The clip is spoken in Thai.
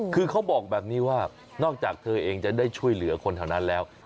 คือเขาบอกแบบนี้ว่านอกจากเธอเองจะได้ช่วยเหลือคนแถวนั้นแล้ว